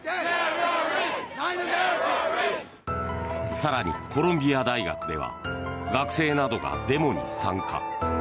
更に、コロンビア大学では学生などがデモに参加。